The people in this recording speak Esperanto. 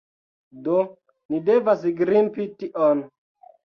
Do ni devas grimpi tion.